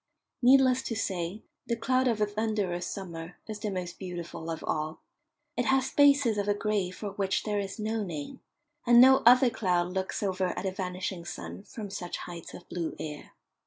Needless to say, the cloud of a thunderous summer is the most beautiful of all. It has spaces of a grey for which there is no name, and no other cloud looks over at a vanishing sun from such heights of blue air.